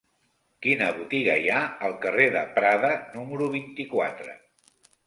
Quina botiga hi ha al carrer de Prada número vint-i-quatre?